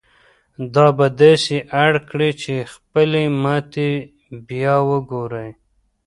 دا به تاسې اړ کړي چې خپلې ماتې بيا وګورئ.